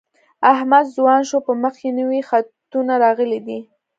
احمد ځوان شو په مخ یې نوي خطونه راغلي دي.